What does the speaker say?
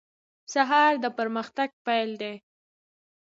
سهار د پرمختګ پیل دی.